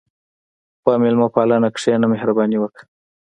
په میلمهپالنه کښېنه، مهرباني وکړه.